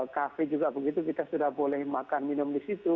kafe juga begitu kita sudah boleh makan minum di situ